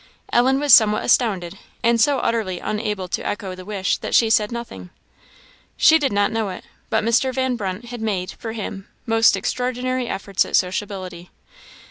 Ellen was somewhat astounded, and so utterly unable to echo the wish, that she said nothing. She did not know it, but Mr. Van Brunt had made, for him, most extraordinary efforts at sociability.